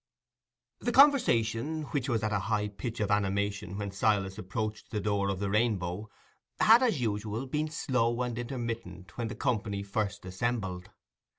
The conversation, which was at a high pitch of animation when Silas approached the door of the Rainbow, had, as usual, been slow and intermittent when the company first assembled.